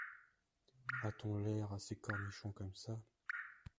A-t-on l’air assez cornichon comme ça !